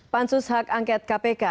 pansus hak angket kpk